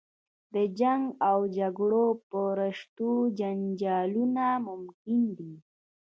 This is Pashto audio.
د جنګ و جګړو په رشتو جنجالونه ممکن دي.